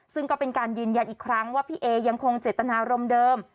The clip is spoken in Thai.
ซึ่งก็เป็นการยืนยันอีกครั้งว่าพี่เอยังคงเจตนารมณ์เดิม